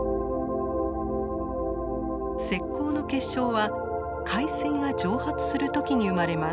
石こうの結晶は海水が蒸発する時に生まれます。